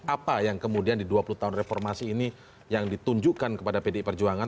apa yang kemudian di dua puluh tahun reformasi ini yang ditunjukkan kepada pdi perjuangan